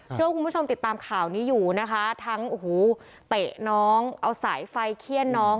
เชื่อว่าคุณผู้ชมติดตามข่าวนี้อยู่นะคะทั้งโอ้โหเตะน้องเอาสายไฟเขี้ยนน้อง